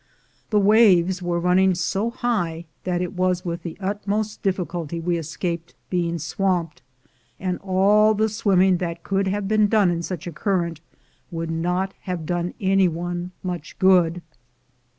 The waves were running so high that it was with the utmost difficulty we escaped being swamped, and all the swimming that could have been done in such a current would not have done any one much good.